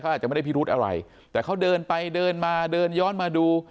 อาจจะไม่ได้พิรุธอะไรแต่เขาเดินไปเดินมาเดินย้อนมาดู